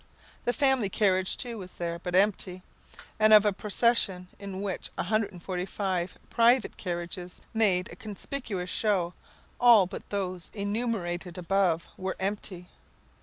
The family carriage too was there, but empty, and of a procession in which 145 private carriages made a conspicuous show, all but those enumerated above were empty.